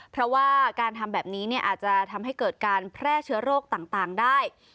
เพราะว่าการทำแบบนี้อาจจะทำให้เกิดการแพร่เชื้อโรคต่างได้